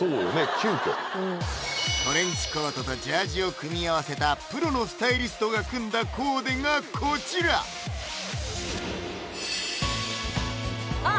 急きょトレンチコートとジャージを組み合わせたプロのスタイリストが組んだコーデがこちらあっ